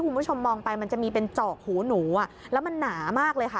คุณผู้ชมมองไปมันจะมีเป็นจอกหูหนูอ่ะแล้วมันหนามากเลยค่ะ